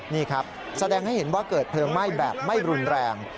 นี่ครับแสดงให้เห็นว่าเกิดเพลิงไหม้แบบไม่รุนแรง